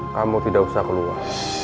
kamu tidak usah keluar